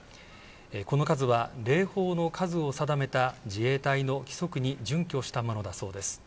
この数は、礼砲の数を定めた自衛隊の規則に準拠したものだそうです。